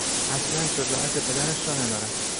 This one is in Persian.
اصلا شجاعت پدرش را ندارد.